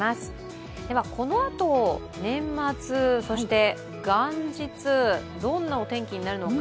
このあと、年末そして元日、どんなお天気になるのか。